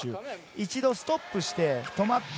一度ストップして止まった。